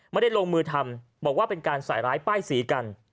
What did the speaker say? ไม่ได้ลงมือทำบอกว่าเป็นการใส่ร้ายป้ายสีกัน